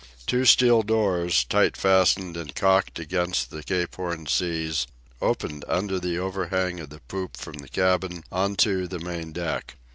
Two steel doors, tight fastened and caulked against the Cape Horn seas, opened under the overhang of the poop from the cabin on to the main deck.